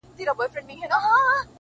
د داســي زيـري انـتــظـار كـومــه،